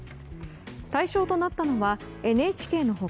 対象となったのはＮＨＫの他